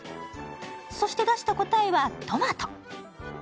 そして出した答えはトマト。